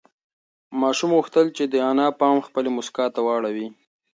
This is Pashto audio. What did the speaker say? ماشوم غوښتل چې د انا پام خپلې مسکا ته واړوي.